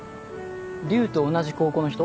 竜と同じ高校の人？